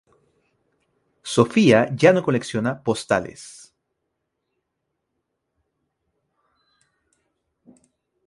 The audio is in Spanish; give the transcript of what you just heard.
Sofía ya no colecciona postales.